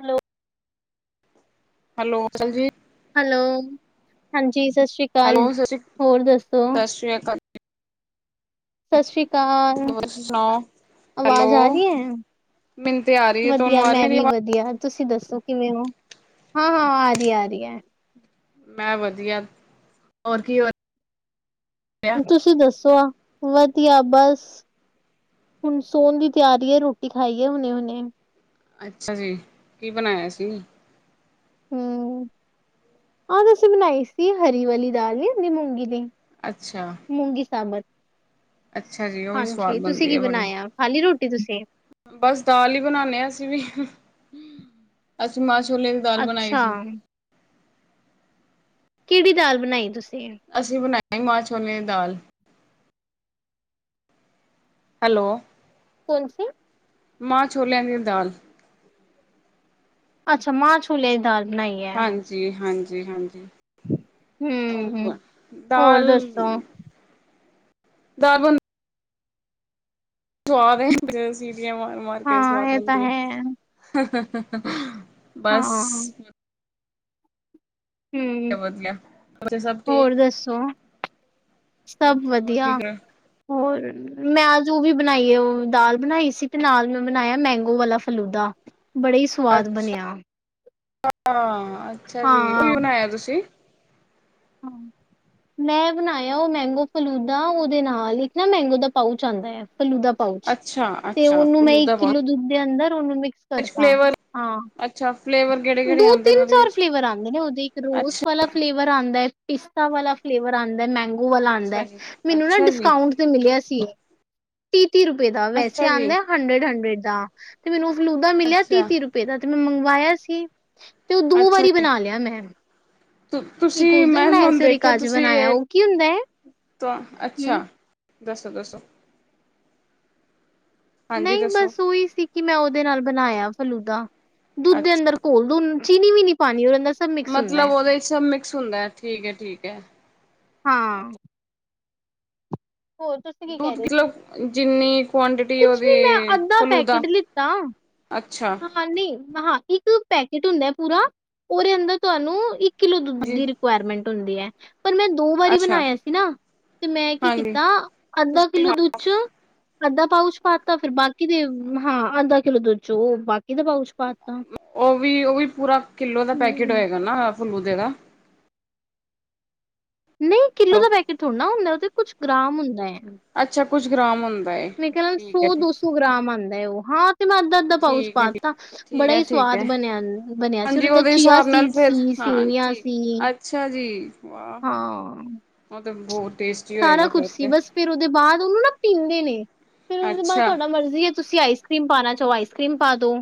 Hello, hello ਸਸ ਸ੍ਰੀ ਕਾਲ ਵੀਰ ਜੀ। ਹੈਲੋ ਹਾਂਜੀ ਸਤਿ ਸ਼੍ਰੀ ਅਕਾਲ, ਹੋਰ ਦੱਸੋ? ਸ੍ਰੀ ਅਕਾਲ। ਸਤਿ ਸ਼੍ਰੀ ਅਕਾਲ ਹੋਰ ਤੁਸੀਂ ਸੁਣਾਓ ਹੈਲੋ ਆਵਾਜ਼ ਆ ਰਹੀ ਹੈ। ਮੈਨੂੰ ਤੇ ਆ ਰਹੀ ਹੈ ਵਧੀਆ ਤੁਹਾਨੂੰ ਆ ਰਹੀ ਮੈਂ ਮੇਰੀ ਵੀ ਆਵਾਜ਼ ਵਧੀਆ। ਤੁਸੀਂ ਦੱਸੋ ਕਿਵੇਂ ਹੋ? ਹਾਂ- ਹਾਂ ਆ ਰਹੀ ਹੈ ਆ ਰਹੀ ਹੈ। ਮੈਂ ਵਧੀਆ, ਹੋਰ ਕੀ ਹੋ? ਰਿਹਾ ਤੁਸੀਂ ਦੱਸੋ ਆ? ਵਧੀਆ ਬਸ, ਹੁਣ ਸੋਣ ਦੀ ਤਿਆਰੀ ਹੈ ਰੋਟੀ ਖਾਈ ਹੈ ਹੁਣੇ- ਹੁਣੇ। ਅੱਛਾ ਜੀ, ਕੀ ਬਣਾਇਆ ਸੀ? ਹੂੰ ਆਜ ਅਸੀਂ ਬਣਾਈ ਸੀ ਹਰੀ ਵਾਲੀ ਦਾਲ ਨੀ ਹੂੰਦੀ ਮੂੰਗੀ ਦੀ। ਅੱਛਾ। ਮੂੰਗੀ ਸਾਬਤ, ਅੱਛਾ ਜੀ ਉਹ ਵੀ ਸਵਾਦ ਹਾਂਜੀ ਤੁਸੀਂ ਬਣਦੀ ਕੀ ਹੈ ਬੜੀ ਬਣਾਇਆ ਖਾਲੀ ਰੋਟੀ ਤੁਸੀਂ? ਬਸ ਦਾਲ ਹੀ ਬਣਾਨੇ ਹਾਂ ਅਸੀਂ ਵੀ, ਅਸੀਂ ਮਾਂ ਛੋਲੇ ਦੀ ਦਾਲ ਬਣਾਈ ਅੱਛਾ। ਸੀ। ਕਿਹੜੀ ਦਾਲ ਬਣਾਈ ਤੁਸੀਂ? ਅਸੀਂ ਬਣਾਈ ਮਾਂ ਛੋਲੇ ਦੀ ਦਾਲ। ਹੈਲੋ, ਕਣ ਸੀ ਆ ਮਾਂ ਛੋਲਿਆਂ ਦੀ ਦਾਲ। ਅੱਛਾ ਮਾਂ ਛੂਲੇ ਦੀ ਦਾਲ ਬਣਾਈ ਹੈ। ਜੀ ਹਾਂਜੀ- ਹਾਂਜੀ ਹੂੰ-ਹੂੰ। ਹੋਰ ਦਾਲ, ਦੱਸੋ ਦਾਲ ਬੰਨ- ਸਵਾਦ ਹੈ ਸੀਟੀਆਂ ਮਾਰ- ਮਾਰ ਕੇ ਸਵਾਦ ਹਾਂ ਇਹ ਤਾਂ ਬਣਦੀ ਹੈ ਆ। ਹਾਂ ਬਸ ਹਮ ਹੂੰ ਵਧੀਆ ਵਧੀਆ ਬੱਚੇ ਸਭ ਹੋਰ ਠੀਕ ਦੱਸੋ? ਸਭ ਹੋਰ ਵਧੀਆ, ਕੀ ਕਰ ਹੋਰ? ਮੈਂ ਅੱਜ ਉਹ ਵੀ ਬਣਾਈ ਹੈ ਉਹ ਦਾਲ ਬਣਾਈ ਸੀ ਤੇ ਨਾਲ ਮੈਂ ਬਣਾਇਆ ਮੈਂਗੋ ਵਾਲਾ ਫਲੂਦਾ। ਬੜੀ ਸਵ- ਅੱਛਾ ਹਾਂ ਅੱਛਾ ਜੀ, ਕੀ ਹਾਂ ਬਣਾਇਆ ਤੁਸੀਂ? [inaudible] ਮੈਂ ਬਣਾਇਆ ਓ ਮੈਂਗੋ ਫਲੂਦਾ ਉਦੇ ਨਾਲ ਇੱਕ ਨਾ ਮੈਂਗੋ ਦਾ ਪਾਊਚ ਆਂਦਾ ਆ ਫਲੂਦਾ ਪਾਊਚ ਅੱਛਾ ਤੇ ਅੱਛਾ ਉਨੂੰ ਮੈਂ ਇੱਕ ਫਲੂਦਾ ਪਾਓ ਕਿੱਲੋ ਦੁੱਧ ਦੇ ਅੰਦਰ ਉਨੂੰ ਮਿਕਸ ਕਰਤਾ ਫਲੇਵਰ ਹਾਂ ਅੱਛਾ ਫਲੇਵਰ ਕਿਹੜੇ ਕਿਹੜੇ ਦੋ, ਆਉਂਦੇ ਨੇ ਤਿੰਨ, ਉਹਦੇ ਚਾਰ ਵਿੱਚ ਫਲੇਵਰ ਆਂਦੇ ਨੇ ਉਦੇ ਇੱਕ ਰੋਜ਼ ਅੱਛਾ ਵਾਲਾ ਫਲੇਵਰ ਆਂਦਾ ਹੈ, ਪਿਸਤਾ ਵਾਲਾ ਫਲੇਵਰ ਆਂਦਾ ਹੈ, ਮੈਂਗੋ ਵਾਲਾ ਆਂਦਾ ਅੱਛਾ ਹੈ, ਜੀ ਮੈਨੂੰ ਨਾ ਅੱਛਾ ਜੀ ਡਿਸਕਾਊਂਟ ਮਿਲਿਆ ਸੀ ਤੀਹ-ਤੀਹ ਰੁਪਏ ਦਾ ਵੈਸੇ ਅੱਛਾ ਜੀ ਆਂਦਾ ਹੰਡਰਡ-ਹੰਡਰਡ ਦਾ ਤੇ ਮੈਨੂੰ ਓ ਫਲੂਦਾ ਮਿਲਿਆ ਅੱਛਾ ਤੀਹ-ਤੀਹ ਰੁਪਏ ਦਾ ਤੇ ਮੈਂ ਮੰਗਵਾਇਆ ਸੀ ਤੇ' ਓ ਦੋ ਅੱਛਾ ਵਾਰੀ ਜੀ ਬਣਾ ਲਿਆ ਮੈਂ ਇਕ ਤੁਸੀਂ ਉਸ ਦਿਨ ਮੈਂ ਬਣਾਇਆ ਤੁਹਾਨੂੰ ਸੀ। ਔਰ ਇਕ ਅੱਜ ਬਣਾਇਆ ਉਹ ਕੀ ਹੁੰਦਾ ਹੈ? ਤਾਂ ਅੱਛਾ ਦੱਸੋ-ਦੱਸੋ ਨਈ ਬਸ ਉਹੀ ਸੀ ਕਿ ਮੈਂ ਉਦੇ ਨਾਲ ਬਣਾਇਆ ਫਲੂਦਾ ਅੱ ਉਦੇ ਅੰਦਰ ਘੋਲ ਦੋ ਉਨੂੰ ਚੀਨੀ ਵੀ ਨੀ ਪਾਨੀ ਉਦੇ ਅੰਦਰ ਸਭ ਮਿਕਸ ਹੁੰਦਾ ਮਤਲਬ ਐ ਉਹਦੇ 'ਚ ਸਭ ਮਿਕਸ ਹੁੰਦਾ ਹੈ। ਠੀਕ ਹੈ-ਠੀਕ ਹੈ ਹਾਂ ਹੋਰ ਤੁਸੀਂ ਕੀ ਕਹਿ ਦੁੱਧ ਰਹੇ ਸੀ? ਕਿਲੋ ਜਿੰਨੀ ਕੁਆਆਂਟਿਟੀ ਕੁਛ ਉਦੀ ਨੀ ਮੈਂ ਅੱਧਾ ਫਲੂ ਦਾ ਪੈਕੇਟ ਲਿੱਤਾ ਅੱਛਾ ਹਾਂ ਨਈ ਹਾਂ ਇੱਕ ਪੈਕੇਟ ਹੁੰਦਾ ਪੂਰਾ ਉਦੇ ਅੰਦਰ ਤੁਹਾਨੂੰ ਇੱਕ ਕਿਲੋ ਦੁੱਧ ਜੀ ਦੀ ਏਕੁਆਰਮੇਂਟ ਹੁੰਦੀ ਹੈ ਪਰ ਮੈਂ ਦੋ ਵਾਰੀ ਅੱਛਾ ਬਣਾਇਆ ਸੀ ਨਾ ਤੇ ਮੈਂ ਕੀ ਹਾਂਜੀ ਕੀਤਾ ਅੱਧਾ ਤੁਸੀਂ ਕਿੱਲੋ ਦੁੱਧ 'ਚ ਅੱਧਾ ਪਾਊਚ ਪਾਤਾ ਫਿਰ ਬਾਕੀ ਦੇ ਹਾਂ ਅੱਧਾ ਕਿਲੋ ਦੁੱਧ 'ਚ। ਤੋਂ ਓ ਬਾਕੀ ਦਾ ਪਾਊਚ ਪਾਤਾ ਓ ਵੀ-ਓ ਵੀ ਪੂਰਾ ਕਿੱਲੋ ਦਾ ਪੈਕੇਟ ਹਮ ਹੋਏਗਾ ਨਾ ਫੂਲਦੇ ਦਾ ਨਈ ਕਿੱਲੋ ਦਾ ਪੈਕੇਟ ਥੋੜਾ ਨਾ ਹੁੰਦਾ ਓ ਤੇ ਕੁਛ ਗ੍ਰਾਮ ਹੁੰਦਾ ਏ। ਅੱਛਾ ਕੁੱਛ ਗ੍ਰਾਮ ਹੁੰਦਾ ਏ। ਮੈਂ ਕਹਿਣਾ ਸੌ ਦੋ ਸੌ ਗ੍ਰਾਮ ਆਂਦਾ ਓ ਹਾਂ ਤੇ ਮੈਂ ਅੱਧਾ ਪਾਊਚ ਠੀਕ ਹੈ ਪਾਤਾ ਦਿੱਤਾ ਠੀਕ ਬੜਾ ਹੈ ਹੀ ਠੀਕ ਹੈ ਸਵਾਦ ਬਣਿਆ ਬਣਿਆ ਸੀ ਹਾਂਜੀ ਉਹਦੇ ਚੀਆ ਹਿਸਾਬ ਨਾਲ ਸੀਡ ਫਿਰ ਸੀ ਹਾਂ ਸੇਵੀਆਂ ਠੀਕ ਸੀ ਅੱਛਾ ਹਾਂ ਓ ਤੇ ਬਹੁਤ ਟੇਸਟ ਸਾਰਾ ਕੁੱਛ ਸੀ ਬਸ ਫੇਰ ਉਦੇ ਬਾਅਦ ਉਨੂੰ ਨਾ ਪੀਂਦੇ ਨੇ ਫੇਰ ਉਦੇ ਬਾਦ ਅੱਛਾ ਤੁਹਾਡਾ ਮਰਜ਼ੀ ਹੈ ਤੁਸੀਂ ਆਈਸ ਕਰ੍ਰੀਮ ਪਾਣਾ ਚਾਹੋ ਆਈਸ ਕਰ੍ਰੀਮ ਪਾ ਦੋ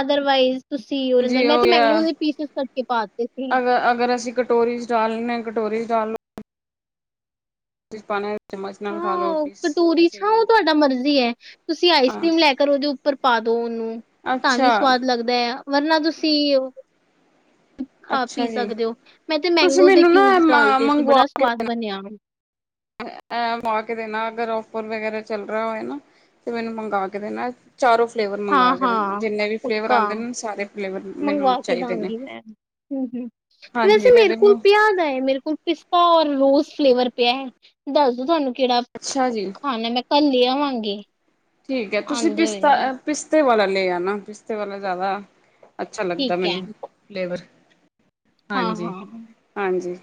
ਅਦਰਵਾਈਜ਼ ਤੁਸੀਂ ਉਦੇ ਅੰਦਰ ਜੀ ਮੈਂ ਉਹ ਤੇ ਮੈਂਗੋ ਦੇ ਪੀਸੀਸ ਕੱਟਕੇ ਪਾਤੇ ਸੀ। ਅਗਰ ਅਸੀਂ ਕਟੋਰੀ 'ਚ ਡਾਲਣੇ ਨੇ ਕਟੋਰੀ 'ਚ ਡਾਲ ਲੋ [unintelligible] ਨਾਲ ਖਾ ਹਾਂ ਲੋ ਓ ਪੀਸ ਕਟੋਰੀ ਐਸੇ ਚ' ਹੀ ਨਾ ਓ ਹੁੰਦੇ ਤੁਹਾਡਾ ਮਰਜ਼ੀ ਹੈ। ਤੁਸੀਂ ਹਾਂ ਆਈਸਕ੍ਰੀਮ ਲੈ ਕਰ ਉਦੇ ਉੱਪਰ ਪਾ ਦੋ ਉਨੂੰ ਤਾਂ ਵੀ ਅੱਛਾ ਸਵਾਦ ਲੱਗਦਾ ਆ। ਵਰਨਾ ਤੁਸੀਂ ਅੱਛਾ ਖਾ-ਪੀ ਜੀ ਸਕਦੇ ਹੋ ਮੈਂ ਤੇ ਤੁਸੀਂ ਮੈਂਗੋ ਦੇ ਮੈਨੂੰ ਨਾ ਕਿਊਬਸ ਡਾਲਤੇ ਸੀ ਬੜਾ ਸਵਾਦ ਬਣਿਆ ਓ [inaudible] ਐ ਮੰਗਾ ਕੇ ਦੇਣਾ ਅਗਰ ਔਫਰ ਵਗੈਰਾ ਚੱਲ ਰਿਹਾ ਹੋਏ ਨਾ ਤੇ ਮੈਨੂੰ ਮੰਗਵਾ ਕੇ ਦੇਣਾ ਚਾਰੋਂ ਫਲੇਵਰ ਮੰਗਵਾ ਹਾਂ ਕੇ ਦੇਣਾ ਹਾਂ ਜਿਨੇ ਵੀ ਫਲੇਵਰ ਪੱਕਾ ਆਂਦੇ ਨੇ ਨਾ ਸਾਰੇ ਫਲੇਵਰ ਮੈਨੂੰ ਮੰਗਵਾ ਕੇ ਚਾਹੀਦੇ ਨੇ ਦਾਂਗੀ ਮੈਂ ਹੂੰ-ਹੂੰ ਵੈਸੇ ਮੇਰੇ ਕੋਲ ਪਿਆ ਦਾ ਏ ਮੇਰੇ ਕੋਲ ਇੱਕ ਤਾਂ ਰੋਜ਼ ਫਲੇਵਰ ਪਿਆ ਹੈ। ਦੱਸ ਦੋ ਤੁਹਾਨੂੰ ਕੇੜਾ ਅੱਛਾ ਜੀ ਹਾਂ ਮੈਂ ਕੱਲ ਲੇ ਆਵਾਂਗੀ ਠੀਕ ਹੈ ਤੁਸੀਂ ਆਉਂਦੇ ਹੋਏ ਪਿਸਤਾ-ਪਿਸਤੇ ਵਾਲਾ ਲੈ ਆ ਨਾ ਪਿਸਤੇ ਵਾਲਾ ਜ਼ਿਆਦਾ ਅੱਛਾ ਲੱਗਦਾ ਠੀਕ ਹੈ ਮੈਨੂੰ ਲੇਵਰ ਹਾਂ ਹਾਂਜੀ-ਹਾਂਜੀ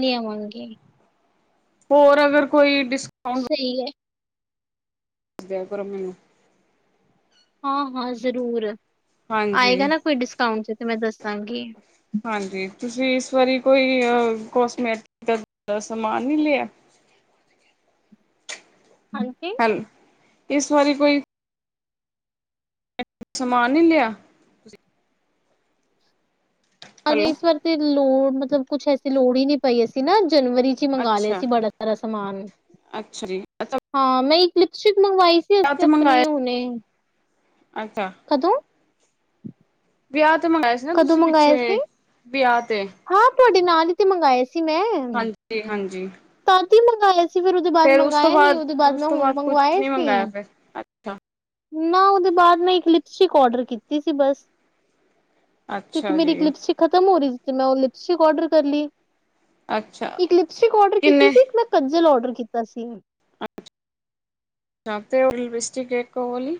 ਲੇ ਆਵਾ ਗੀ ਹੋਰ ਅਗਰ ਕੋਈ ਡਿਸ ਸਹੀ ਐ। [unintelligible] ਕਰੋ ਮੈਨੂੰ। ਹਾਂ- ਹਾਂ, ਜ਼ਰੂਰ, ਹਾਂਜੀ, ਆਏਗਾ ਨਾ ਕੋਈ ਡਿਸਕਾਊਂਟ ਤੇ ਮੈ ਦੱਸਾਂਗੀ। ਹਾਂਜੀ, ਤੁਸੀ ਇਸ ਵਾਰੀ ਕੋਈ ਅ ਕੋਸਮੈਟਿਕ ਦਾ ਸਮਾਨ ਨਈ ਲਿਆ। ਹਾਂਜੀ। ਇਸ ਵਾਰੀ ਕੋਈ ਸਮਾਨ ਨੀ ਲਿਆ ਹਾਂਜੀ, ਹੈਲੋ ਇਸ ਵਾਰ ਤੇ ਲੋੜ, ਮਤਲਬ ਕੁਛ ਐਸੀ ਲੋੜ ਹੀ ਨੀ ਪਈ ਅਸੀ ਨਾ ਜਨਵਰੀ ਚ ਮੰਗਵਾ ਲਿਆ ਅੱਛਾ। ਸੀ ਬੜਾ ਸਾਰਾ ਸਮਾਨ ਅੱਛਾ ਜੀ ਹਾਂ, ਮੈਂ ਇੱਕ ਲਿਪਸਟਿਕ ਮੰਗਵਾਈ ਸੀ ਅਸੀਂ [unintelligible] ਮੰਗਾਏ ਆਪਣੀ ਅੱਛਾ। ਕਦੋ? ਵਿਅਹ ਤੇ ਮਿਗਾ ਕਦੋ ਮੰਗਾਏ ਸੀ? ਹਾਂ ਤੁਆਡੇ ਨਾਲ ਹੀ ਤੇ ਮੰਗਵਾਏ ਸੀ ਮੈ ਹਾਂਜੀ- ਹਾਂਜੀ। ਤਦ ਹੀ ਮੰਗਾਏ ਸੀ, ਫਿਰ ਓਦੇ ਬਾਦ ਫੇਰ ਉਸ ਤੋਂ ਮੰਗਾਏ ਨੀ, ਬਾਅਦ ਓਦੇ ਬਾਦ ਉਸ ਮੈ ਤੋਂ ਹੁਨ ਬਾਅਦ ਕੁਛ ਮੰਗਾਏ ਨੀ ਸੀ। ਮੰਗਾਇਆ ਫਿਰ ਅੱਛਾ, ਨਾ ਓਦੇ ਬਾਦ ਮੈ ਇੱਕ ਲਿਪਸਟਿਕ ਔਡਰ ਕੀਤੀ ਸੀ ਬਸ। ਕਿਉਕਿ ਅੱਛਾ ਮੇਰੀ ਇੱਕ ਜੀ ਲਿਪਸਟਿਕ ਖਤਮ ਹੋ ਰਹੀ ਸੀ ਤੇ ਮੈਂ ਓ ਲਿਪਸਟਿਕ ਓਡਰ ਕਰ ਲਈ। ਅੱਛਾ ਇੱਕ ਲਿਪਸਟਿਕ ਓਡਰ ਕਿੰਨੇ ਕੀਤੀ ਸੀ, ਇੱਕ ਮੈਂ ਕੰਜਲ ਓਡਰ ਕੀਤਾ ਸੀ। ਯਾ ਤੇ ਓ ਲਿਪਸਟਿਕ ਏਕ ਓ ਆਲੀ।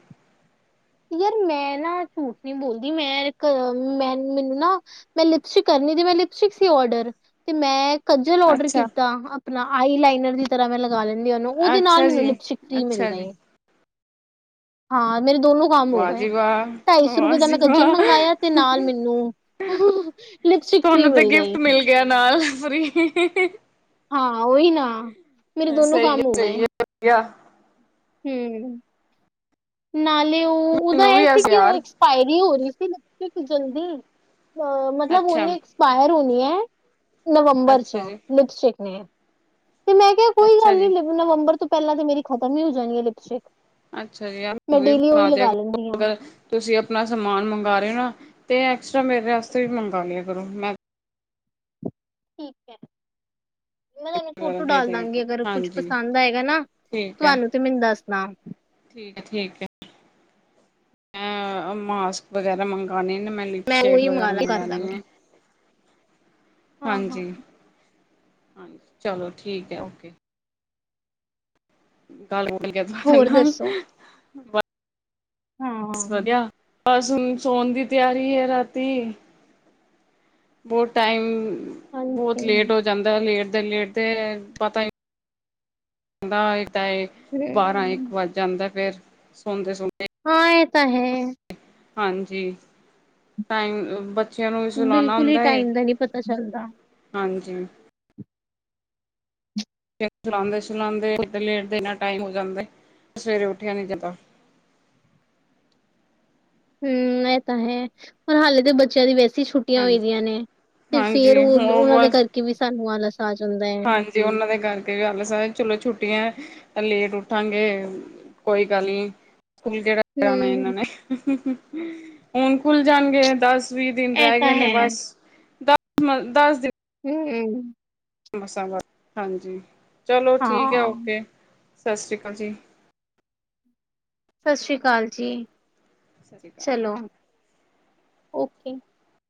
ਯਾਰ ਮੈਂ ਨਾ ਝੂਠ ਨੀ ਬੋਲਦੀ, ਮੈਂ ਇੱਕ ਮੈਂ ਮੈਨੂੰ ਨਾ ਮੈਂ ਲਿਪਸਟਿਕ ਕਰਨੀ ਦੀ ਤੇ ਮੈਂ ਲਿਪਸਟਿਕ ਸੀ ਔਡਰ ਤੇ ਮੈਂ ਕੱਜਲ ਔਡਰ ਅੱਛਾ, ਕੀਤਾ ਅਪਨਾ, ਆਈ ਲਾਈਨਰ ਦੀ ਤਰਾ ਮੈਂ ਲਗਾ ਲੈਂਦੀ ਓਨੂੰ ਓਦੇ ਨਾਲ ਅੱਛਾ ਮੈਨੂੰ ਜੀ, ਲਿਪਸਟਿਕ ਫਰੀ ਮਿਲ ਅੱਛਾ ਜੀ। ਗਈ ਹਾਂ ਮੇਰੇ ਦੋਨੋ ਕੰਮ ਹੋ ਵਾਹ ਗਏ, ਜੀ ਵਾਹ, ਢਾਈ ਸੌ ਵਾਹ ਰੁਪਏ ਦਾ ਜੀ ਮੈਂ ਕੱਜਲ ਵਾਹ। ਮੰਗਾਆ ਤੇ ਨਾਲ ਮੈਨੂੰ ਲਿਪਸਟਿਕ ਫ੍ਰੀ ਤੁਹਾਨੂੰ ਤੇ ਮਿਲ ਗਈ ਗਿਫਟ ਮਿਲ ਗਿਆ ਨਾਲ ਫ੍ਰੀ ਹਾਂ, ਓਹੀ ਨਾ ਮੇਰੇ ਹੈ ਦੋਨੋਂ ਸਹੀ ਐ, ਕੰਮ ਹੋ ਗਏ ਸਹੀ ਐ, ਵਦੀਆ। ਹੂੰ ਨਾਲੇ ਉਹ ਉਦਾ ਮੈਨੂੰ ਐ ਵੀ ਸੀ ਐਸ ਕਿ ਉਹ ਯਾਰ। ਫਾਇਰੀ ਹੋ ਰਹੀ ਸੀ ਲਿਪਸਟਿਕ ਜਲਦੀ, ਅ ਮਤਲਬ ਅੱਛਾ, ਓਨੇ ਐਸਪਾਏਰ ਹੋਨੀ ਹੈ ਨਵੰਬਰ ਚ ਅੱਛਾ ਜੀ, ਲਿਪਸਟਿਕ ਨੇ ਤੇ ਮੈਂ ਕਿਆ ਕੋਈ ਅੱਛਾ ਗੱਲ ਨੀ ਜੀ। ਨਵੰਬਰ ਤੋ ਪੈਲਾਂ ਤੇ ਮੇਰੀ ਖਤਮ ਹੀ ਹੋ ਜਾਨੀ ਏ ਲਿਪਸਟਿਕ। ਅੱਛਾ ਮੈਂ ਡੇਲੀ ਉਹੀ ਜੀ ਲਗਾ ਲੈਂਦੀ ਹਾਂ ਤੁਸੀ ਅਪਨਾ ਸਮਾਨ ਮੰਗਾ ਰਏ ਓ ਨਾ, ਤੇ ਐਕਸਟਰਾ ਮੇਰੇ ਆਸਤੇ ਵੀ ਮੰਗਾ ਲਿਆ ਕਰੋ ਮੈ ਠੀਕ ਐ ਮੈ ਤਾਨੂੰ ਵਗੈਰਾ ਫੋਟੋ ਦੇ ਡਾਲ ਦਿਆ ਦਾਂਗੀ ਅਗਰ ਕੁੱਛ ਹਾਂਜੀ, ਪਸੰਦ ਆਏਗਾ ਨਾ ਠੀਕ ਹੈ, ਤੋਵਾਨੂੰ ਤੇ ਮੈਨੂੰ ਦੱਸਨਾ ਠੀਕ ਐ- ਠੀਕ ਐ, ਅ ਮਾਸਕ ਵਗੈਰਾ ਮੰਗਾਨੇ ਨੇ ਮੈਨ ਲਿਪ ਮੈਂ ਸ਼ੇਡ ਉਹੀ ਮੰਗਵਾ ਵਗੈਰਾ ਲਾ ਕਰ ਮੰਗਾਨੀ ਦਾਂਗੀ ਏ ਹਾਂ ਹਾਂ ਹਾਂਜੀ- ਹਾਂਜੀ ਚਲੋ ਠੀਕ ਐ ਓਕੇ। ਹੋਰ ਦੱਸੋ [inaudible] ਹਾਂ ਹਾਂਜੀ ਵਦੇਆ ਬਸ ਹੁਨ ਸੋਣ ਦੀ ਤਿਆਰੀ ਏ ਰਾਤੀ ਬੋਹ ਟਾਈਮ, ਹਮ ਬੋਹਤ ਲੇਟ ਹੋ ਜਾਂਦਾ ਲੇਟਦੇ ਲੇਟਦੇ ਪਤਾ ਦਾ ਤਾ ਏ, ਬਾਰਾਂ-ਇੱਕ ਵੱਜ ਜਾਂਦਾ ਫੇਰ ਸੌਂਦੇ ਸੋਂਦੇ। ਹਾਂ, ਏ ਤਾਂ ਹੈ। ਹਾਂਜੀ, ਟਾਇਮ ਬਚ ਚੇਆਂ ਨੂੰ ਵੀ ਸੁਲਾਣਾ ਬਿਲਕੁਲ ਹੀ ਹੁੰਦਾ ਏ, ਟਾਈਮ ਦਾ ਨੀ ਪਤਾ ਚੱਲਦਾ ਹਾਂਜੀ। ਸੁਲਾਂਦੇ ਸੁਲਾਂਦੇ, ਲੇਟਦੇ ਏਨਾ ਟਾਈਮ ਹੋ ਜਾਂਦਾ ਏ, ਸਵੇਰੇ ਉੱਠਿਆ ਨੀ ਜਾਂਦਾ। ਹੂੰ, ਐ ਤਾਂ ਹੈ, ਹੁਨ ਹਾਲੇ ਤਾਂ ਬੱਚੇਆਂ ਦੀ ਵੈਸੇ ਸੀ ਛੁੱਟੀਆਂ ਹੋਈ ਹਾਂਜੀ ਦੀਆਂ ਨੇ, ਤੇ ਫੇਰ ਹਾਂਜੀ ਓ ਹੋ ਓਨਾਂ ਦੇ ਬਸ ਕਰਕੇ ਵੀ ਸਾਨੂੰ ਆਲਸ ਆ ਜਾਂਦਾ ਐ। ਹਾਂਜੀ ੳਨਾਂ ਦੇ ਕਰਕੇ ਵੀ ਆੱਲਸ ਆ ਚਲੋ ਛੁੱਟੀਆਂ, ਲੇਟ ਉਠਾਂਗੇ ਕੋਈ ਗੱਲ ਨੀ, ਸਕੂਲ ਜੇਹੜਾ ਕਰਨਾ ਏਨਾਂ ਹੂੰ, ਨੇ ਹੁਣ ਖੁੱਲ ਜਾਣਗੇ ਦਸ ਵੀਹ ਦਿਨ ਇਹ ਰਹ ਤਾਂ ਗਏ ਨੇ ਹੈ, ਬਸ ਦਸ, ਦਸ ਦਿਨ ਹੂੰ ਮਸਾਂ ਵਾ ਹਾਂਜੀ। ਚਲੋ ਠੀਕ ਏ ਹਾਂ। ਓਕੇ, ਸਤਿ ਸ਼੍ਰੀ ਅਕਾਲ ਜੀ। ਸਤਿ ਸ਼੍ਰੀ ਅਕਾਲ ਜੀ। ਸਤਿ ਸ਼੍ਰੀ ਅਕਾਲ ਚਲੋ, ਓਕੇ।